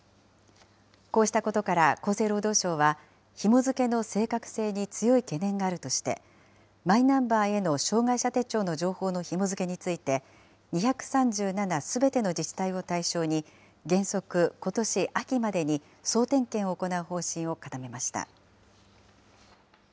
こうしたことから厚生労働省は、ひも付けの正確性に強い懸念があるとして、マイナンバーへの障害者手帳の情報のひも付けについて、２３７すべての自治体を対象に、原則ことし秋までに総点検を行う方針を固めました。